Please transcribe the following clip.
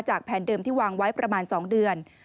แผนเดิมที่วางไว้ประมาณ๒เดือน